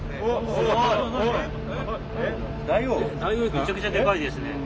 めちゃくちゃでかいですね。